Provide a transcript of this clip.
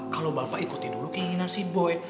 kalau bapak ikuti dulu keinginan si boy